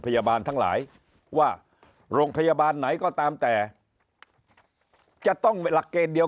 ทั้งหลายว่าโรงพยาบาลไหนก็ตามแต่จะต้องหลักเกณฑ์เดียว